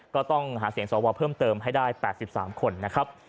ก็ต้องหาเสียงสวเพิ่มเติมให้ได้๘๓คนนะครับ